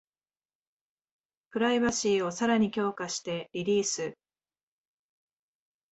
プライバシーをさらに強化してリリース